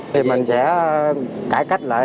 thì mình sẽ cải cách lại